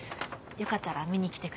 よかったら見に来てください。